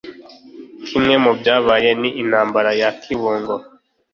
kimwe mubyabaye ni intambara ya kibungo.